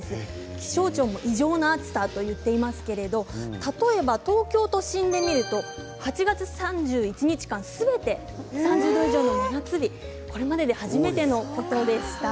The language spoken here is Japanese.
気象庁も異常な暑さと言ってますけど例えば東京都心で見ると８月３１日間すべて３０度以上の真夏日これまでで初めてのことでした。